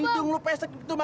indung lo pesek itu mang